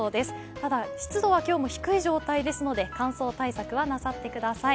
ただ、湿度は今日も低い状態ですので乾燥対策は、なさってください。